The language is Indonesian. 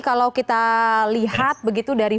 kalau kita lihat begitu dari